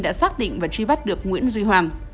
đã xác định và truy bắt được nguyễn duy hoàng